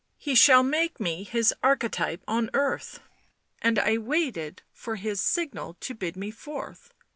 he shall make me his archetype on earth, ... and I waited for his signal to bid me forth.